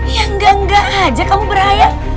ya enggak enggak aja kamu berayak